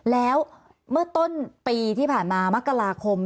แล้วเมื่อต้นปีที่ผ่านมามกราคม